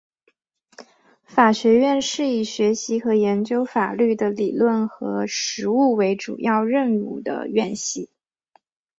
法学院是以学习和研究法律的理论和实务为主要任务的院系。